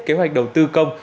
kế hoạch đầu tư công